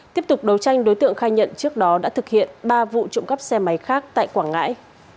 tiếp tục đấu tranh đối tượng khai nhận trước đó đã thực hiện ba vụ trộm cắp xe máy khác tại quảng ngãi